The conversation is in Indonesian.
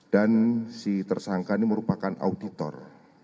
dan si tersangka ini merupakan auditor